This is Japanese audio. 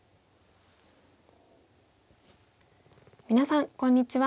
皆さんこんにちは。